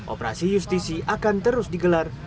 operasi justisi akan terus digelar